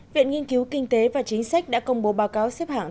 viện nghiên cứu kinh tế và chính sách đã công bố báo cáo xếp hạng